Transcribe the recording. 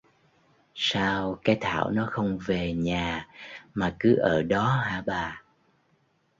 Sao Cái Thảo nó không về nhà mà cứ ở đó hả bà